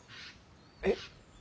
えっ？